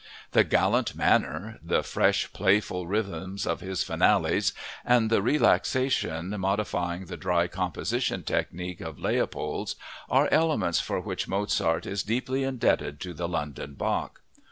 The "gallant" manner, the fresh, playful rhythms of his finales, and the relaxation modifying the dry composition technique of Leopold's are elements for which Mozart is deeply indebted to the "London Bach."